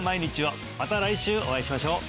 また来週お会いしましょう！